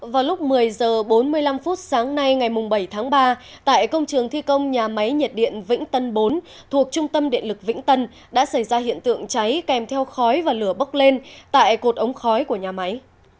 vào lúc một mươi h bốn mươi năm sáng nay ngày bảy tháng ba tại công trường thi công nhà máy nhiệt điện vĩnh tân bốn thuộc trung tâm điện lực vĩnh tân đã xảy ra hiện tượng cháy kèm theo khói và lửa bốc lên tại cột ống khói của nhà máy